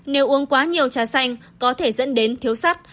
nếu uống quá nhiều trà xanh có thể dẫn đến thiếu sắt